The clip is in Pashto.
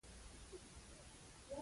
وایې دنیا په ساده ګانو آباده ده.